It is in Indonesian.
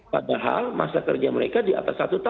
padahal masa kerja mereka di atas satu tahun